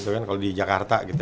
kalau di jakarta gitu